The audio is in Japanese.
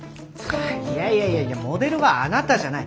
いやいやいやいやモデルはあなたじゃない。